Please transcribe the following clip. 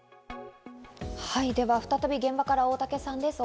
では、再び現場から大竹さんです。